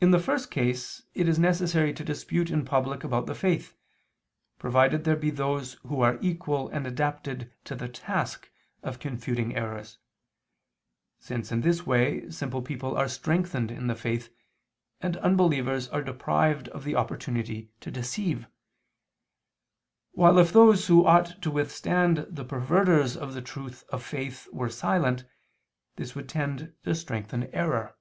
In the first case it is necessary to dispute in public about the faith, provided there be those who are equal and adapted to the task of confuting errors; since in this way simple people are strengthened in the faith, and unbelievers are deprived of the opportunity to deceive, while if those who ought to withstand the perverters of the truth of faith were silent, this would tend to strengthen error.